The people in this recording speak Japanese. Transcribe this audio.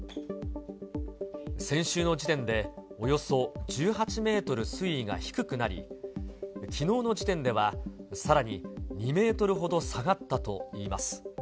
先週の時点でおよそ１８メートル水位が低くなり、きのうの時点ではさらに２メートルほど下がったといいます。